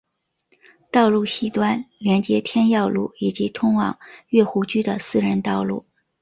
道路西端连接天耀路以及通往乐湖居的私人道路。